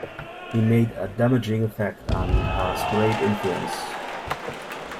He made a damaging effect, and has great influence.